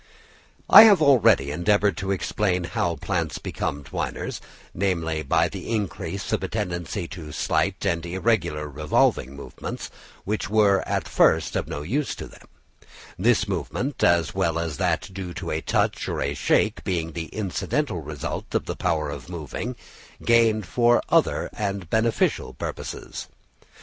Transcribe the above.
I have already endeavoured to explain how plants became twiners, namely, by the increase of a tendency to slight and irregular revolving movements, which were at first of no use to them; this movement, as well as that due to a touch or shake, being the incidental result of the power of moving, gained for other and beneficial purposes.